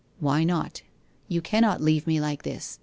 '' Why not? You cannot leave me like this.